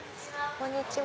こんにちは。